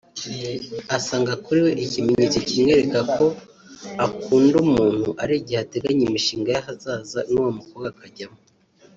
Asanga kuri we ikimenyetso kimwereka ko akunda umuntu ari igihe ateganya imishinga y’ahazaza n’uwo mukobwa akajyamo